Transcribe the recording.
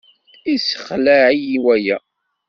Yessexleɛ-iyi waya.